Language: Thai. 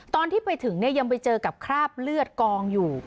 ตอนที่ไปถึงเนี่ยยังไปเจอกับคราบเลือดกองอยู่